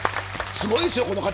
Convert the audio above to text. すごいんです、この方。